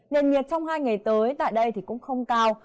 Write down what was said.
nền nhiệt trong hai ngày tới tại đây cũng không cao